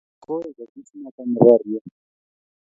Koek ofisinoto neborie